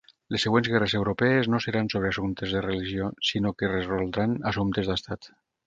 Les següents guerres europees no seran sobre assumptes de religió, sinó que resoldran assumptes d'estat.